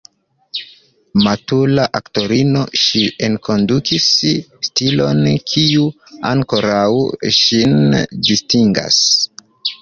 Matura aktorino, ŝi enkondukis stilon kiu ankoraŭ ŝin distingas.